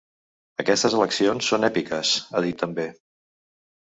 Aquestes eleccions són èpiques, ha dit també.